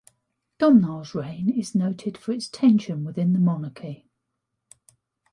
Domhnall's reign is noted for its tension with the monarchy.